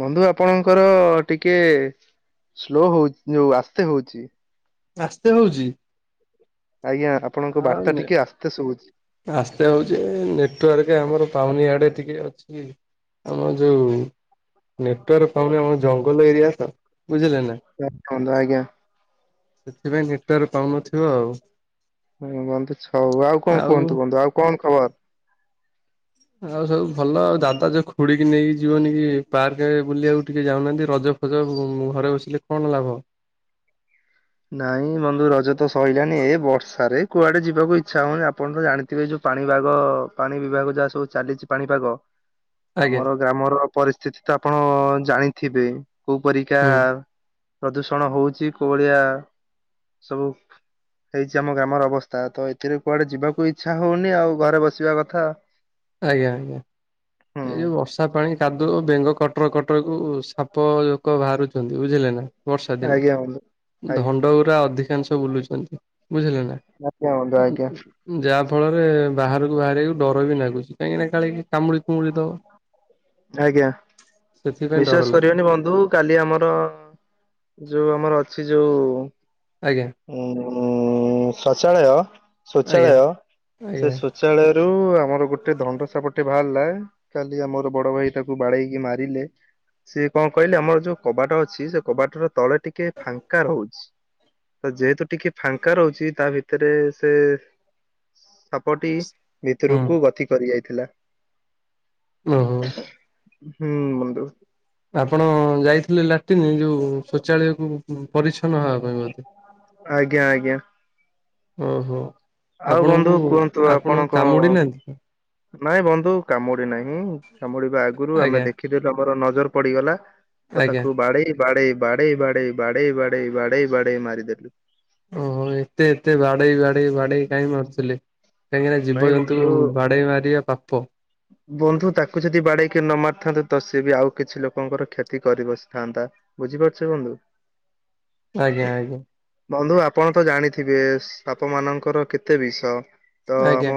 ବନ୍ଧୁ ଆପଣଙ୍କର ଟିକେ ସ୍ଲୋ ହଉ ଯୋଉ ଆସ୍ତେ ହଉଚି। ଆସ୍ତେ ହଉଚି? ଆଜ୍ଞା ଆପଣଙ୍କ ବାର୍ତ୍ତା ନେ ଟିକେ ଆସ୍ତେ ଶୁଭୁଛି। ଆସ୍ତେ ହଉଚି, ନେଟୱାର୍କ ଆମର ପାଉନି ଆଡେ ଟିକେ ଅଛି। ଆମ ଯୋଉ ନେଟୱାର୍କ ପାଉନି ଆମ ଜଙ୍ଗଲ ଏରିଆ ତ। ବୁଝିଲେ ନା ରଖନ୍ତୁ ଆଜ୍ଞା। ସେଥିପାଇଁ ନେଟୱର୍କ ପାଉନଥିବ ଆଉ। ହଁ ବନ୍ଧୁ ଛ ଆଉ କଣ କୁହନ୍ତୁ ବନ୍ଧୁ ଆଉ କଣ ଖବର? ଆଉ ସବୁ ଭଲ ଆଉ ଦାଦା ଯୋଉ ଖୁଡି କି ନେଇକି ଯିବନି କି ପାର୍କ ବୁଲି ଆଉ ଟିକେ ଯାଉନାହାନ୍ତି ରଜ [unintelligible] ଘରେ ବସିଲେ କଣ ଲାଭ। ନାଇଁ ବନ୍ଧୁ ରଜ ତ ସଇଲାଣି ଏ ବର୍ଷାରେ କୁଆଡେ ଯିବାକୁ ଇଚ୍ଛା ହଉନି ଆପଣ ତ ଜାଣି ଥିବେ ଯୋଉ ପାଣିପାଗ ପାଣି ବିଭାଗ ଯାହା ସବୁ ଚାଲିଚି ପାଣିପାଗ। ଆଜ୍ଞା ଆମର ଗ୍ରାମର ପରିସ୍ଥିତି ତ ଆପଣ ଜାଣିଥିବେ, କୋଉ ପରିକା ହୁଁ ପ୍ରଦୂଷଣ ହଉଚି, କୋଉଭଳିଆ ସବୁ ହେଇଚି ଆମ ଗ୍ରାମର ଅବସ୍ଥା, ତ ଏଥିରେ କୁଆଡେ ଯିବାକୁ ଇଚ୍ଛା ହଉନି ଆଉ ଘରେ ବସିବା କଥା। ଆଜ୍ଞା-ଆଜ୍ଞା। ହୁଁ ଏଇ ଯୋଉ ବର୍ଷା ପାଣି କାଦୁଅ ବେଙ୍ଗ କଟର କଟରକୁ ସାପ ଜୋକ ବାହାରୁଚିନ୍ତି ବୁଝିଲେ ନା। ବର୍ଷା ଦିନ ଆଜ୍ଞା ବନ୍ଧୁ ଆଜ୍ଞା ଧଣ୍ଡ ପୁରା ଅଧିକାଂଶ ବୁଲୁଚନ୍ତି ବୁଝିଲେ ନା। ଆଜ୍ଞା ବନ୍ଧୁ ଆଜ୍ଞା ଯାହା ଫଳରେ ବାହାରକୁ ବାହାରିବାକୁ ଡର ବି ଲାଗୁଚି, କାହିଁକି ନା କାଳେ କିଏ ଆଜ୍ଞା, ସେଥିପାଇଁ ଡର ବିଶ୍ଵାସ ଲାଗୁଛି କରିବେନି ବନ୍ଧୁ କାଲି ଆମର ଯୋଉ ଆମର ଅଛି ଯୋଉ ଆଜ୍ଞା। ଉଁ ଆଜ୍ଞା ଶୌଚାଳୟ-ଶୌଚାଳୟ ସେ ଆଜ୍ଞା। ଶୌଚାଳୟ ରୁ ଆମର ଗୋଟେ ଧଣ୍ଡ ସାପ ଟେ ବାହାରିଲା, କାଲି ଆମର ବଡ଼ ଭାଇ ତାକୁ ବାଡ଼େଇକି ମାରିଲେ। ସିଏ କଣ କହିଲେ ଆମର ଯୋଉ କବାଟ ଅଛି, ସେ କବାଟର ତଳେ ଟିକେ ଫାଙ୍କା ରହୁଛି। ତ ଯେହେତୁ ଟିକେ ଫାଙ୍କା ରହୁଚି, ତା ଭିତେରେ ସେ ସାପଟି ଭିତୁରକୁ ଗତି କରି ଯାଇଥିଲା। ହାଲୋ। ହୁଁ ବନ୍ଧୁ। ଆପଣ ଯାଇଥିଲେ ଲାଟ୍ରିନ୍, ଏଯୋଉ ଶୌଚାଳୟ କୁ? ପରିଚ୍ଛନ୍ନ ହେବା ପାଇଁ ବୋଧେ ଆଜ୍ଞା ଆଜ୍ଞା ଓହୋଃ। ଆଉ ବନ୍ଧୁ କୁହନ୍ତୁ ଆପଣଙ୍କ ନାହାନ୍ତି ତ? ନାଇଁ ବନ୍ଧୁ କାମୁଡ଼ି ନାହିଁ ମୁଁ କାମୁଡି଼ବା ଆଗୁରୁ ଆମେ ଆଜ୍ଞା ଦେଖି ଏଥି ତମର ନଜର ପଡ଼ିଗଲା ତ ଆଜ୍ଞା ତାକୁ ବାଡ଼େଇ ବାଡ଼େଇ ବାଡ଼େଇ ବାଡ଼େଇ ବାଡ଼େଇ ବାଡ଼େଇ ବାଡ଼େଇ ବାଡ଼େଇ ମାରି ଦେଲୁ। ଓହୋ ଏତେ ଏତେ ବାଡ଼େଇ ବାଡ଼େଇ ବାଡ଼େଇ କାହିଁ ମାରୁଥୁଲେ? କାହିଁକି ନା ନାଇଁ ଜୀବଜନ୍ତୁ ବନ୍ଧୁ ବାଡ଼େଇ ମାରିବା ପାପ। ବନ୍ଧୁ ତାକୁ ଯଦି ବାଡ଼େଇ କି ନମାରି ଥାନ୍ତୁ ତ ସିଏ ବି ଆଉ କିଛି ଲୋକଙ୍କର କ୍ଷତି କରି ବସିଥାନ୍ତା। ବୁଝିପାରୁଛ ବନ୍ଧୁ? ଆଜ୍ଞା ଆଜ୍ଞା। ବନ୍ଧୁ ଆପଣ ତ ଜାଣିଥିବେ ସାପମାନଙ୍କର କେତେ ବିଷ। ତ ଆଜ୍ଞା। ଆମ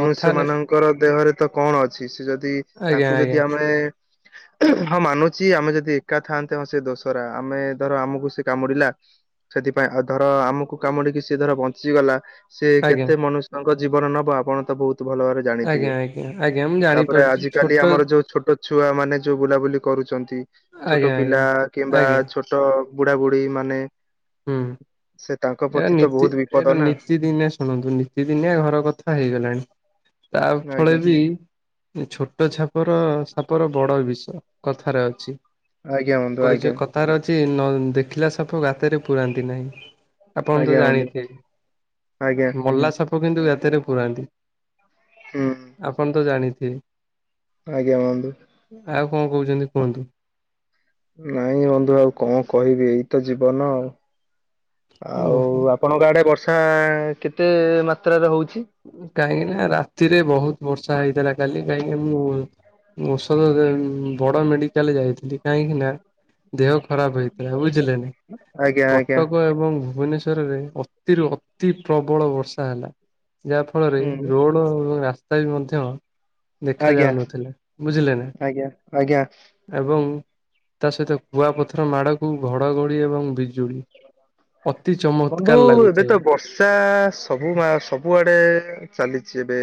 କଥାରେ ଙ୍କର ଦେହରେ ତ କଣ ଅଛି ସେ ଯଦି ଆଜ୍ଞା ତାଙ୍କୁ ଆଜ୍ଞା ଯଦି ଆମେ [inaudible] ହଁ ମାନୁଚି ଆମେ ଯଦି ଏକା ଥାଆନ୍ତେ ହଁ ସେ ଦୋସରା ଆମେ ଧର ଆମୁକୁ ସେ କାମୁଡ଼ିଲା ସେଥିପାଇଁ ଆଉ ଧର ଆମୁକୁ କାମୁଡ଼ି କି ସିଏ ଧର ବଞ୍ଚିଗଲା ସେ ଆଜ୍ଞା କେତେ ମନୁଷ୍ୟଙ୍କ ଜୀବନ ନବ ଆପଣ ତ ବହୁତ ଭଲ ଭାବରେ ଜାଣିଥିବେ। ଆଜ୍ଞା ଆଜ୍ଞା। ଆଜ୍ଞା ମୁଁ ତାପରେ ଜାଣିପାରୁଛି ଆଜି କାଲି ଛୋଟ ଆମର ଯୋଉ ଛୋଟ ଛୁଆମାନେ ଯୋଉ ବୁଲାବୁଲି କରୁଛନ୍ତି। ଛୋଟ ଆଜ୍ଞା ପିଲା ଆଜ୍ଞା କିମ୍ବା ଆଜ୍ଞା ଛୋଟ ବୁଢ଼ାବୁଢ଼ୀ ମାନେ ହୁଁ ସେ ତାଙ୍କ ପ୍ରତି ତ ବହୁତ ବିପଦ ନାଁ। ତି ଦିନେ ଶୁଣନ୍ତୁ ନିତି ଦିନିଆ ଘର କଥା ହେଇଗଲାଣି ତା ଆଜ୍ଞା ଫଳେ ବି ନି ଛୋଟ ଛାପର ସାପର ବଡ଼ ବିଷ କଥାରେ ଅଛି। ଆଜ୍ଞା ବନ୍ଧୁ ଆଜ୍ଞା। ତାରେ ଅଛି ନ ଦେଖିଲା ସାପ ଗାତରେ ପୁରାନ୍ତି ନାହିଁ। ଆପଣ ତ ଆଜ୍ଞା ବନ୍ଧୁ ଜାଣିଥିବେ ଆଜ୍ଞା ମଲା ସାପ କିନ୍ତୁ ଗାତରେ ପୁରାନ୍ତି। ହୁଁ। ଆପଣ ତ ଜାଣିଥିବେ। ଆଜ୍ଞା ବନ୍ଧୁ। ଆଉ କଁ କୋହୁଚନ୍ତି କୁହନ୍ତୁ? ନାଇଁ ବନ୍ଧୁ ଆଉ କଁ କହିବି ଏଇତ ଜୀବନ ଆଉ। ଆଉ ଓହୋ। ଆପଣଙ୍କ ଆଡ଼େ ବର୍ଷା କେତେ ମାତ୍ରାରେ ହୋଉଛି? କାହିଁକି ନା ରାତିରେ ବହୁତ ବର୍ଷା ହେଇଥିଲା କାଲି କାହିଁକି ମୁଁ ଔଷଧ ଯେ ବଡ଼ ମେଡ଼ିକାଲ୍ ଯାଇଥିଲି କାହିଁକି ନା ଦେହ ଖରାପ ହେଇଥିଲା ବୁଝିଲେ ନା? ଆଜ୍ଞା ଆଜ୍ଞା କଟକ ଏବଂ ଭୁବନେଶ୍ ତରରେ ଅତିରୁ ଅତି ପ୍ରବଳ ବର୍ଷା ହେଲା। ଯାହା ଫଳରେ ହୁଁ ରୋଡ଼ ରାସ୍ତା ବି ମଧ୍ୟ ଦେଖା ଆଜ୍ଞା ଯାଉନଥିଲା। ବୁଝିଲେ ନା? ଆଜ୍ଞା ଆଜ୍ଞା ଏବଂ ତା ସହିତ କୁଆ ପଥର ମାଡ଼କୁ ଘଡ଼ଘଡ଼ି ଏବଂ ବିଜୁଳି। ଅତି ଚମତ୍କାର ଲାଗୁଥିଲା ଚା ସବୁ ମା ସବୁଆଡ଼େ ଚାଲିଚି ଏବେ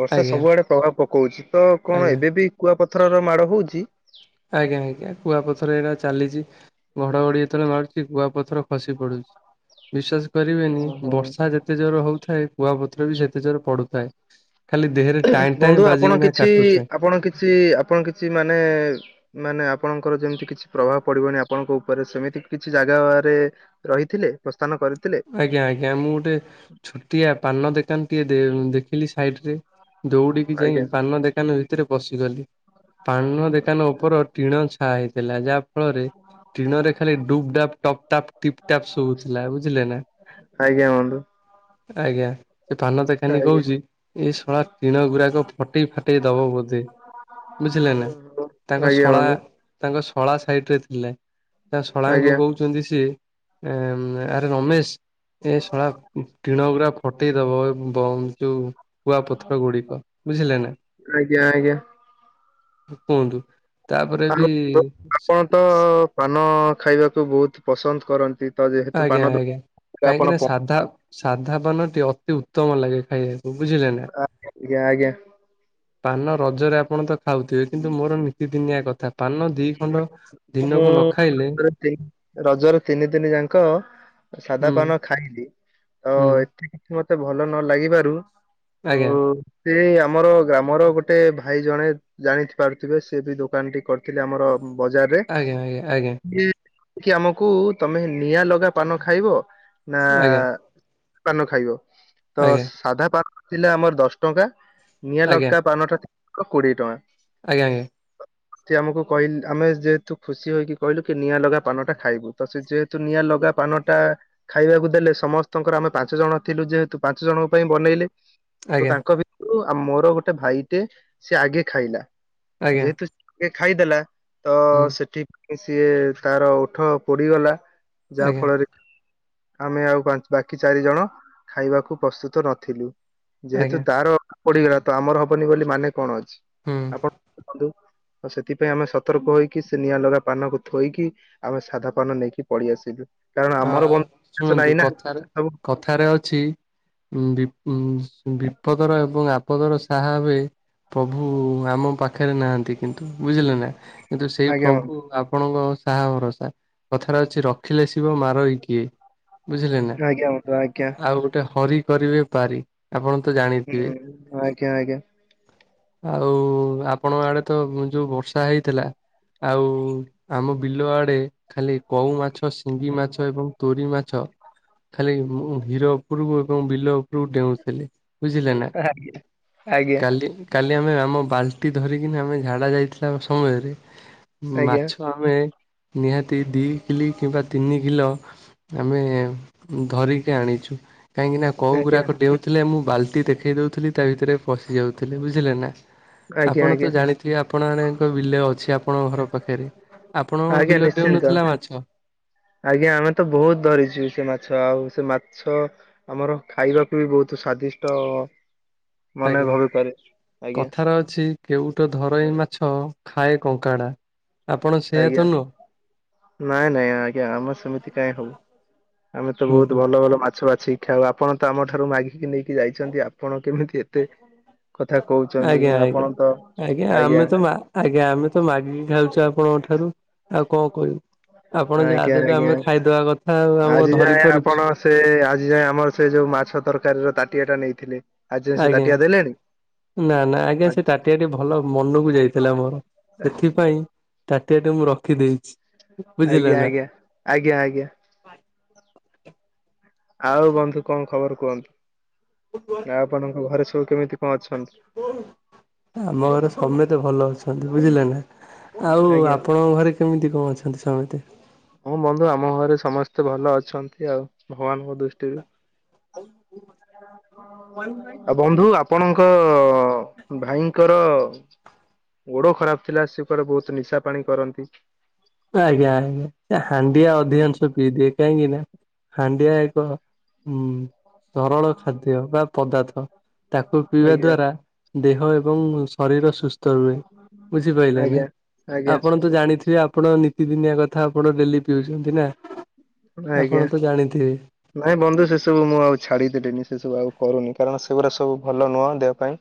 ବର୍ଷା ଆଜ୍ଞା ସବୁଆଡ଼େ ପ ଆ ପକଉଚି ତ କଣ ଆଜ୍ଞା। ଏବେ ବି କୁଆପଥରର ମାଡ଼ ହଉଚି? ଆଜ୍ଞା ଆଜ୍ଞା କୁଆପଥର ଏଇନା ଚାଲିଚି। ଘଡ଼ଘଡ଼ି ଏଥର ମାରୁଚି କୁଆ ପଥର ଖସି ପଡ଼ୁଚି। ବିଶ୍ୱାସ କରିବେନି ଓହୋ ବର୍ଷା ଯେତେ ଜୋର ହଉଥାଏ କୁଆ ପଥର ବି ସେତେ ଜୋରେ ପଡ଼ୁଥାଏ ଖାଲି ଦେହରେ ଟାଏଁ ଟାଏଁ ବାଜିକିନା କାଟୁଥାଏ। ସିଏ ଆପଣ କିଛି ମାନେ। ମାନେ ଆପଣଙ୍କର ଯେମିତି କିଛି ପ୍ରଭାବ ପଡିବନି ଆପଣଙ୍କ ଉପରେ ସେମିତି କିଛି ଜାଗାରେ। ରହିଥିଲେ ପ୍ରସ୍ଥାନ କରିଥିଲେ। ଆଜ୍ଞା ଆଜ୍ଞା ମୁଁ ଗୋଟେ ଛୋଟିଆ ପାନ ଦୋକାନଟିଏ ଦେଖିଲି ସାଇଟିରେ। ଦୌଡ଼ିକି ଯାଇ ଆଜ୍ଞା ପାନ ଦୋକାନ ଭିତରେ ପଶିଗଲି ପାନ ଦୋକାନ ଉପର ଟିଣ। ହେଇଥିଲା ଯାହା ଫଳରେ ଟିଣରେ ଖାଲି ଡୁ୍ପ୍ ଡ଼ାପ୍ ଟପ୍ ଟାପ ଟିପ୍ ଟାପ୍ ଶୁଭୁଥିଲା ବୁଝିଲ। ଆଜ୍ଞା। ପାନ ଦୋକାନୀ ଆଜ୍ଞା କହୁଛି ଏ ଶଳା ଟିଣ ଗୁରାକ ଫଟେଇ ଫାଟେଇ ଦବ ବୋଧେ। ବୁଝିଲେ ନା ତାଙ୍କ ଆଜ୍ଞା ଶଳା। ବନ୍ଧୁ ତାଙ୍କ ଶଳା ସାଇଟ୍ ରେ ଥିଲେ ତାଙ୍କ ଶଳା ଙ୍କୁ ଆଜ୍ଞା କହୁଛନ୍ତି ସିଏ। ରମେଶ୍ ଏ ସଳା ଟିଣ ଗୁରା ଫଟେଇଦବ ବ ଯୋଉଁ। କୁଆପଥର ଗୁଡିକ ବୁଝିଲେ ନା। ଆଜ୍ଞା ଆଜ୍ଞା କୁହନ୍ତୁ ତାପରେ ଆଉ ବି। ବନ୍ଧୁ, ଆପଣ ତ ପାନ ଖାଇବାକୁ ବହୁତ ପସନ୍ଦ କରନ୍ତି ତ ଯେହେତୁ ପାନ ଆପଣ। ସାଧାପାନଟି ଅତି ଉତ୍ତମ ଲାଗେ ଖାଇବାକୁ ବୁଝିଲେ ନା ଆଜ୍ଞା ଆଜ୍ଞା ପାନ ରଜରେ ଆପଣ ତ ଖାଉଥିବେ କିନ୍ତୁ ମୋର ନିତିଦିନିଆ କଥା ପାନ। ଦି ଖଣ୍ଡ ମୁଁ ଦିନକୁ ନ ଖାଇଲେ। ରଜରେ ରଜର ତିନି ଦିନି ଯାଙ୍କ ସାଧା ହୁଁ ପାନ ଖାଇଲି। ତ ହୁଁ ଏଠି କିଛି ମତେ ଭଲ ନ ଲାଗିବାରୁ ତ। ଆଜ୍ଞା ସେ ଆମର ଗ୍ରାମର ଗୋଟେ ଭାଇ ଜଣେ ଜାଣିପାରୁଥିବେ ସେ ବି ଦୋକାନ ଟି କରି। ଥିଲେ ଆମର ବଜାରରେ। ଆଜ୍ଞା ଆଜ୍ଞା ସିଏ ଆମକୁ ତମେ ନିଆଁ ଲଗା ପାନ ଖାଇବ ନା। ଆଜ୍ଞା ପାନ ଖାଇବ ତ ଆଜ୍ଞା ସାଧା ପାନ ଥିଲା ଆମର ଦଶ ଟଙ୍କା ନିଆଁ ଲଗା ପାନଟା ତ କୋଡ଼ିଏ ଟଙ୍କା। ଆଜ୍ଞା ଆଜ୍ଞା। ସେ ଆମକୁ କହିଲ ଆମେ ଯେହେତୁ ଖୁସି ହେଇକି କହିଲୁ କି ନିଆଁ ଲଗା ପାନଟା ଖାଇବୁ ତ ସେ ଯେହତୁ। ତ ନିଆଁ ଲଗା ପାନ ଟା। ଖାଇବାକୁ ଦେଲେ ସମସ୍ତଙ୍କର ଆମେ ପାଞ୍ଚ ଜଣ ଥିଲୁ ଯେହେତୁ ପାଞ୍ଚ ଜଣଙ୍କ ପାଇଁ ବନେଇଲେ। ତ ଆଜ୍ଞା ତାଙ୍କ ଭିତରୁ ମୋର ଗୋଟେ ଭାଇଟେ ସେ ଆଗେ ଖାଇଲା ଆଜ୍ଞା ଆଜ୍ଞା ଯେହେତୁ ସେ ଖାଇଦେଲା ତ ହୁଁ ସେଠି ସିଏ ତାର ଓଠ ପୋଡିଗଲା। ଯାହା ଆଜ୍ଞା ଫଳରେ କି। ଆମେ ଆଉ ପାଞ୍ଚ ବାକି ଚାରି ଜଣ ଖାଇବାକୁ ପ୍ରସ୍ତୁତ ନଥିଲୁ। ଯେହେତୁ ଆଜ୍ଞା ତାର ପୋଡିଗଲା ତ ଆମର ହବନି ବୋଲି ମାନେ କଣ ଅଛି ହୁଁ ଆପଣ। ଆଉ ସେଥିପାଇଁ ଆମେ ସତର୍କ ହେଇକି ସେ ନିଆଁ ଲଗା ପାନକୁ ଥୋଇକି ଆମେ ସାଧା ପାନ ନେଇକି ପଲେଇଆସିଲୁ କାରଣ ଅ ଆମର ବଷ ଶୁଣନ୍ତୁ ନାଇଁ ନା କଥାରେ ସେ ସବୁ। କଥାରେ ଅଛି ବିପ ବିପଦର ଏବଂ ଆପଦର ସାହା ଭାବେ। ପ୍ରଭୁ ଆମ ପାଖରେ ନାହାନ୍ତି କିନ୍ତୁ ବୁଝିଲେ ନା। କିନ୍ତୁ ସେଇ ଆଜ୍ଞା ପ୍ରଭୁ ବନ୍ଧୁ ଆପଣଙ୍କ ସାହା ଭରସା କଥାଟା ଅଛି ରଖିଲେ ସେ। ଶିବ ମାରିବ କିଏ ବୁଝିଲେ ନା ଆଜ୍ଞା ବନ୍ଧୁ ଆଜ୍ଞା ଆଉ ଗୋଟେ ହରି କରିବେ ପାରି। ଆପଣ ତ ହୁଁ ଜାଣିଥିବେ। ଆଜ୍ଞା ଆଜ୍ଞା ଆଉ ଆପଣଙ୍କ ଆଡେ ତ ଯୋଉଁ ବର୍ଷା ହେଇଥିଲା ଆଉ ଆମ ବିଲ ଆଡେ ଖାଲି କଉ ମାଛ। ଶିଙ୍ଗି ମାଛ ଏବଂ ତୋଡି ମାଛ ଖାଲି ହିର। ଉପରକୁ ଏବଂ ବିଲ ଉପରକୁ ଡେଉଁଥିଲେ। ବୁଝିଲେ ନା ଆଜ୍ଞା ଆଜ୍ଞା କାଲି। କାଲି ଆମେ ଆମ ବାଲ୍ଟି ଧରିକିନି ଆମେ ଝାଡ଼ା ଯାଇଥିଲା ସମୟରେ ଆଜ୍ଞା ମାଛ। ଆମେ ନିହାତି ଦି କିଲି କିମ୍ବା ତିନି କିଲୋ ଆମେ ଧରିକି ଆଣିଚୁ। କାହିଁକିନା କଉ ଆଜ୍ଞା ଗୁରାକ ଡେଉଁ ଥିଲେ ମୁଁ ବାଲ୍ଟି ଦେଖଉଥିଲି ତା ଭିତରେ ପଶି ଯାଉଥିଲେ। ବୁଝିଲେ ନା। ଆଜ୍ଞା ଆପଣ ଆଜ୍ଞା ତ ଜାଣି କିଏ ଆପଣଙ୍କ ମାନଙ୍କ ବିଲ ଅଛି ଆପଣଙ୍କ ଘର ପାଖରେ। ଆପଣଙ୍କ ଆଜ୍ଞା ବିଲ ନିଶ୍ଚିନ୍ତ। ଡେଉଁନଥିଲା ମାଛ? ଆଜ୍ଞା। ଆମେ ତ ବହୁତ୍ ଧରିଚର ସେ ମାଛ। ଆଉ ସେ ମାଛ ଆମର ଖାଇବାକୁ ବି ବହୁତ ସ୍ଵାଦିଷ୍ଟ। ମନେ ଭବେ ପାରେ। ଆଜ୍ଞା। କଥା ରେ ଅଛି କେଉଁଟ ଧରଇ ମାଛ, ଖାଏ କଙ୍କଡା। ଆପଣ ସେଇଆ ତ ଆଜ୍ଞା ନୁହଁ? ନାଇଁ, ନାଇଁ ଆଜ୍ଞା। ଆମର ସେମିତି କାଇଁ ହବୁ। ଆମେ ତ ହୁଁ ବହୁତ ହୁଁ ଭଲ, ଭଲ ମାଛ ବାଛି ଖାଉ। ଆପଣ ଆମଠାରୁ ମାଗିକି ନେଇ କି ଯାଇଛନ୍ତି। ଆପଣ କେମିତି ଏତେ କଥା କହୁଛନ୍ତି। ଆଜ୍ଞା ଆଜ୍ଞା। ଆପଣ ତ ଆଜ୍ଞା ଆମେ ତ ମା ଆଜ୍ଞା। ଆମେ ତ ମାଗିକି ଖାଉଚୁ ଆପଣଙ୍କ ଠାରୁ। ଆଉ କଣ କହିବୁ। ଆପଣ ଯାହା ଆଜ୍ଞା ଦେବେ ଆଜ୍ଞା ଆମେ ଖାଇଦବା କଥା ଆଉ। ଆମେ କଣ ଆଜି ଧରି ଯାଏ ପାରୁଚୁ। ଆପଣ ସେ ଆଜି ଯାଏ ଆମର ସେ ଯୋଉ ମାଛ ତରକାରୀର ତାଟିଆ ଟା ନେଇଥିଲେ। ଆଜି ଯାଏ ସେ ଆଜ୍ଞା। ତାଟିଆ ଦେଲେଣି? ନା, ନା ଆଜ୍ଞା ସେ ଆଜି ତାଟିଆଟି ଭ ଭଲ ମନକୁ ଯାଇଥିଲା ମୋର। ସେଥିପାଇଁ ତାଟିଆଟି ମୁଁ ରଖିଦେଇଚି। ଆଜ୍ଞା ଆଜ୍ଞା। ଆଜ୍ଞା ଆଜ୍ଞା। ଆଉ ବନ୍ଧୁ କଣ ଖବର କୁହନ୍ତୁ? [unintelligible] ଆଉ ଆପଣଙ୍କ ଘରେ ସବୁ କେମିତି କଣ ଅଛନ୍ତି? ଆମ ଘରେ ସମେତେ ଭଲ ଅଛନ୍ତି। ବୁଝିଲେ ନା? ଆଉ ଆଜ୍ଞା ଆପଣଙ୍କ ଘରେ କେମିତି କଣ ଅଛନ୍ତି ସମେତେ? ହଁ, ବନ୍ଧୁ ଆମ ଘରେ ସମସ୍ତେ ଭଲ ଅଛନ୍ତି ଆଉ। ଭଗବାନଙ୍କ ଦୃଷ୍ଟିରୁ। ଆ ବନ୍ଧୁ ଆପଣଙ୍କ ଭାଇଙ୍କର ଗୋଡ ଖରାପ ଥିଲା, ସେ କୁଆଡ଼େ ବହୁତ ନିଶା ପାଣି କରନ୍ତି। ଆଜ୍ଞା ଆଜ୍ଞା। ସେ ହାଣ୍ଡିଆ ଅଧିକାଂଶ ପିଇଦିଏ। କାହିଁକି ନା ହାଣ୍ଡିଆ ଏକ ଉଁ ସରଳ ଖାଦ୍ୟ। ବା ପଦାର୍ଥ। ତାକୁ ପିଇବା ଆଜ୍ଞା ଦ୍ଵାରା ଦେହ ଏବଂ ଶରୀର ସୁସ୍ ସ୍ଥ ରୁହେ। ବୁଝିପାରିଲେ ନା? ଆଜ୍ଞା ଆଜ୍ଞା ଆପଣ ତ ଜାଣିଥିବେ ଆପଣଙ୍କ ନୀତିଦିନିଆ କଥା ଆପଣ ଡେଲି ପିଉଛନ୍ତି ନା। ଆଜ୍ଞା। ଆପଣ ତ ଜାଣିଥିବେ ନାଇଁ ବନ୍ଧୁ ସେ ସବୁ ମୁଁ ଆଉ ଛାଡିଦେଲିଣି। ସେସବୁ ଆଉ କରୁନି। କାରଣ ସେଗୁଡା ସବୁ ଭଲ ନୁହଁ ଦେହ ପାଇଁ।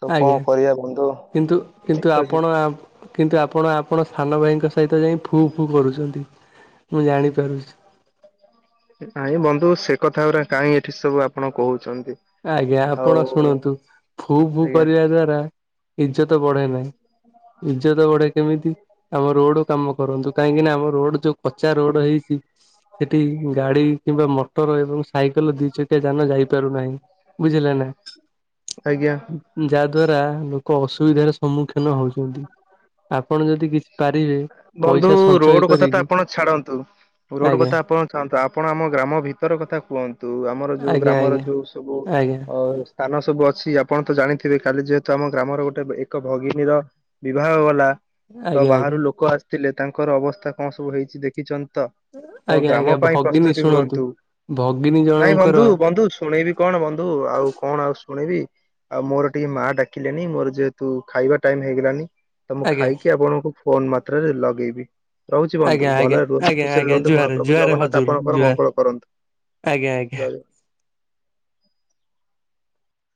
ତ କଣ ଆଜ୍ଞା। କରିବା ବନ୍ଧୁ କିନ୍ତୁ, କିନ୍ତୁ ଏଇତ ଜୀବନ ଆପଣ ଆ କିନ୍ତୁ, ଆପଣ ଆପଣଙ୍କ ସାନ ଭାଇଙ୍କ ସହିତ ଯାଇ ଫୁ, ଫୁ କରୁଛନ୍ତି। ମୁଁ ଜାଣିପାରୁଛି। [inaudible] ନାଇଁ ବନ୍ଧୁ ସେ କଥା ଗୁରା କାଇଁ ଏଠି ସବୁ ଆପଣ କହୁଛନ୍ତି। ଆଜ୍ଞା। ଆଉ ଆପଣ ଶୁଣନ୍ତୁ ଫୁ ଫୁ ଆଜ୍ଞା କରିବା ଦ୍ଵାରା ଇଜ୍ଜତ ବଢେ ନାହିଁ। ଇଜ୍ଜତ ବଢେ କେମିତି? ଆମ ରୋଡ କାମ କରନ୍ତୁ। କାହିଁକି ନା ଆମ ରୋଡ ଯୋଉ କଚା ରୋଡ ହେଇଚି ସେଠି ଗାଡି କିମ୍ବା ମୋଟର ଏବଂ ସାଇକେଲ ଦି ଚକି ଯାନ ଯାଇପାରୁନାହିଁ। ବୁଝିଲେ ନା? ଆଜ୍ଞା। ଯାହା ଦ୍ୱାରା ଲୋକ ଅସୁବିଧାର ସମ୍ମୁଖୀନ ହଉଛନ୍ତି, ଆପଣ ଯଦି କିଛି ପାରିବେ ବନ୍ଧୁ ପଇସା ସଞ୍ଚୟ ରୋଡ କଥା ତ କରିକି ଆପଣ ଛାଡନ୍ତୁ। ରୋଡ ଆଜ୍ଞା କଥା ଆପଣ ଛାଆନ୍ତୁ, ଆପଣ ଆମ ଗ୍ରାମ ଭିତର କଥା କୁହନ୍ତୁ, ଆମର ଯୋଉ ଆଜ୍ଞା ଗ୍ରାମର ଆଜ୍ଞା ଯୋଉ ସବୁ ଆଜ୍ଞା ଅ ସ୍ଥାନ ସବୁ ଅଛି, ଆପଣ ତ ଜାଣିଥିବେ କାଲି ଯେହେତୁ ଆମ ଗ୍ରାମର ଗୋଟେ ଏକ ଭଗିନୀର ବିବାହ ଗଲା। ତ ଆଜ୍ଞା ଆଜ୍ଞା ବାହାରୁ ଲୋକ ଆସିଥିଲେ ତାଙ୍କର ଅବସ୍ଥା କଣ ସବୁ ହେଇଛି ଦେଖିଚନ୍ତି ତ? ତ ଆଜ୍ଞା ଗ୍ରାମ ଆଜ୍ଞା ପାଇଁ ଭଗିନୀ ପ୍ରସ୍ତୁତି ଶୁଣନ୍ତୁ ହୁଅନ୍ତୁ। ଭଗିନୀ ନାଇଁ ଜଣଙ୍କର ବନ୍ଧୁ ବନ୍ଧୁ ଶୁଣେଇବି କଣ ବନ୍ଧୁ ଆଉ କଣ ଆଉ ଶୁଣେଇବି। ଆଉ ମୋର ଟିକେ ମା ଡାକିଲେନି ମୋର ଯେହେତୁ ଖାଇବା ଟାଇମ ହେଇଗଲାନି ତ ମୁଁ ଆଜ୍ଞା ଖାଇକି ଆପଣଙ୍କୁ ଫୋନ୍ ମାତ୍ରାରେ ଲଗେଇବି। ରହୁଛି ବନ୍ଧୁ ଆଜ୍ଞା ଆଜ୍ଞା ଭଲରେ ରୁହନ୍ତୁ ଆଜ୍ଞା ଖୁସିରେ ଆଜ୍ଞା ରୁହନ୍ତୁ ଜୁହାର ମହାପ୍ରଭୁ ଜୁହାର ଜଗନ୍ନାଥ ହଜୁର ଆପଣଙ୍କର ଜୁହାର ମଙ୍ଗଳ କରନ୍ତୁ। ଆଜ୍ଞା ଜୟ ଆଜ୍ଞା। ଜଗନ୍ନାଥ।